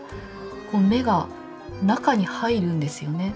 こう目が中に入るんですよね。